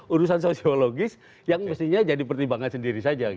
urusan sosiologis yang mestinya jadi pertimbangan sendiri saja